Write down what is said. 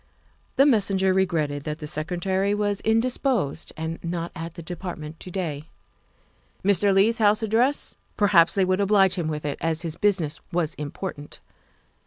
The messenger re gretted that the Secretary was indisposed and not at the Department to day. Mr. Leigh's house address; perhaps they would oblige him with it, as his business was important.